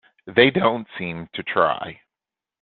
They don't seem to try.